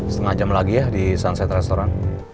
setengah jam lagi ya di sunset restoran